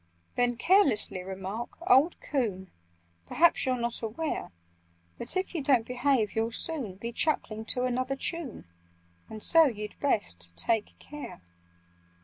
"Then carelessly remark 'Old coon! Perhaps you're not aware That, if you don't behave, you'll soon Be chuckling to another tune— And so you'd best take care!